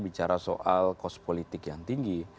bicara soal kos politik yang tinggi